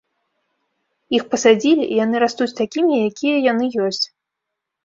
Іх пасадзілі і яны растуць такімі, якія яны ёсць.